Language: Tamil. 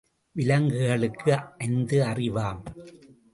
விலங்குகளுக்கு ஐந்து அறிவாம்.